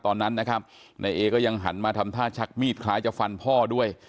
ตอนนั้นนะครับนายเอก็ยังหันมาทำท่าชักมีดคล้ายจะฟันพ่อด้วย